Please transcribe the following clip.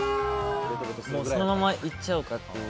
そのままいっちゃおうかという。